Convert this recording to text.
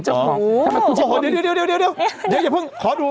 โถโถโถ